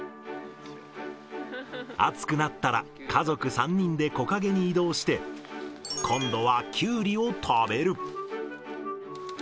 暑くなったら家族３人で木陰に移動して、今度はキュウリを食べる。